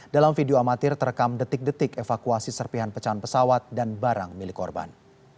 dalam video amatir terekam detik detik evakuasi serpihan pecahan pesawat dan barang milik korban